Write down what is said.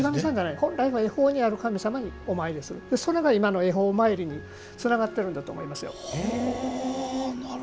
本来は恵方にある神様にお参りする、それが今の恵方参りにつながってるんだと思います。